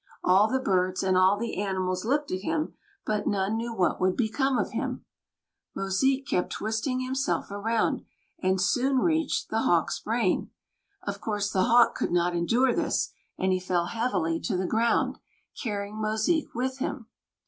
All the birds, and all the animals, looked at him, but none knew what would become of him. Mosique kept twisting himself around, and soon reached the Hawk's brain. Of course, the Hawk could not endure this, and he fell heavily to the ground, carrying Mosique with him.